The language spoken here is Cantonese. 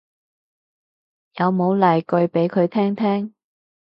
有冇例句俾嚟聽聽